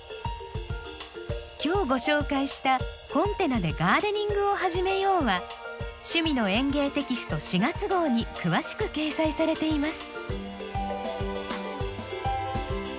今日ご紹介した「コンテナでガーデニングを始めよう！」は「趣味の園芸」テキスト４月号に詳しく掲載されています。